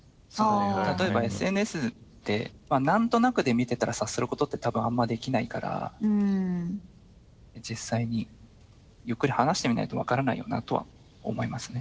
例えばＳＮＳで何となくで見てたら察することってたぶんあんまできないから実際にゆっくり話してみないと分からないよなとは思いますね。